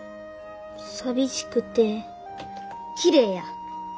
寂しくてきれいや。